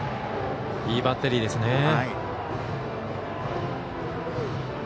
いいバッテリーですね。